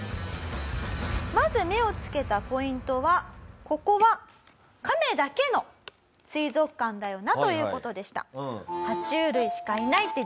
まず目を付けたポイントはここはカメだけの水族館だよなという事でした。